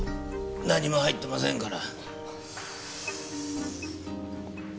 何も入ってませんから。